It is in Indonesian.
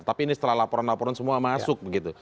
tapi ini setelah laporan laporan semua masuk begitu